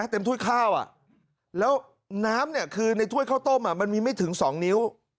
ถ้วยข้าวแล้วน้ำเนี่ยคือในถ้วยข้าวต้มมันมีไม่ถึง๒นิ้ว